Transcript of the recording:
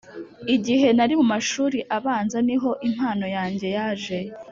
Igihe nari mu mashuri abanza niho impano yanjye yaje